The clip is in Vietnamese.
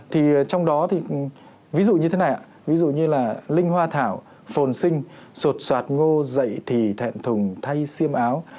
thì trong đó thì ví dụ như thế này ví dụ như là linh hoa thảo phồn sinh sột soạt ngô dậy thì thẹn thùng thay xiêm áo